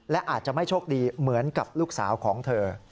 และอาจจะไม่โชคดีเหมือนกับลูกสาวของเธอ